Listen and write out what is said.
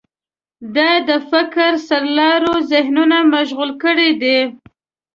دا د فکر سرلارو ذهنونه مشغول کړي دي.